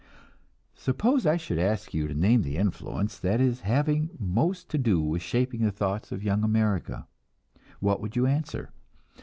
Suppose I should ask you to name the influence that is having most to do with shaping the thoughts of young America what would you answer?